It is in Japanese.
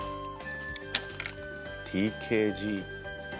ＴＫＧ。